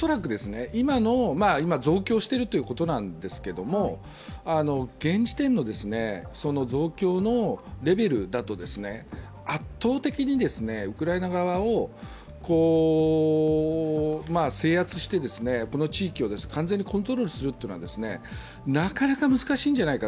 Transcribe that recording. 今、増強しているということなんですけど現時点の増強のレベルだと圧倒的にウクライナ側を制圧して、この地域を完全にコントロールするというのはなかなか難しいんじゃない。